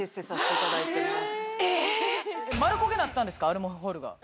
アルミホイルが。